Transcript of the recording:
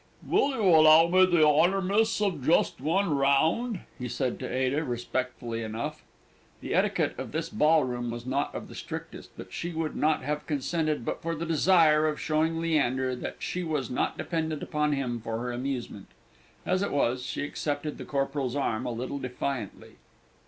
"Will you allow me the honour, miss, of just one round?" he said to Ada, respectfully enough. The etiquette of this ballroom was not of the strictest; but she would not have consented but for the desire of showing Leander that she was not dependent upon him for her amusement. As it was, she accepted the corporal's arm a little defiantly.